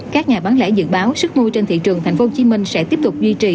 các nhà bán lẻ dự báo sức mua trên thị trường tp hcm sẽ tiếp tục duy trì